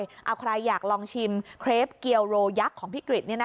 เอาใครอยากลองชิมเครปเกียวโรยักษ์ของพี่กริจ